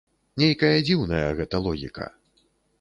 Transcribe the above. Нейкая дзіўная гэта логіка.